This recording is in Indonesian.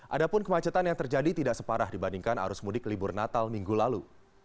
adapun kemacetan yang terjadi tidak separah dibandingkan arus mudik libur natal minggu lalu